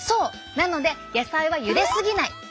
なので野菜はゆですぎない！